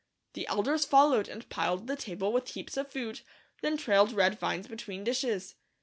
The elders followed and piled the table with heaps of food, then trailed red vines between dishes.